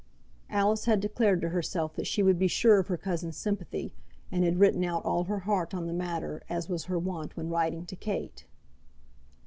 Alice had declared to herself that she would be sure of her cousin's sympathy, and had written out all her heart on the matter, as was her wont when writing to Kate.